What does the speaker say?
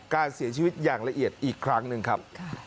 การเสียชีวิตอย่างละเอียดอีกครั้งหนึ่งครับ